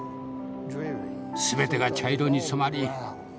全てが茶色に染まり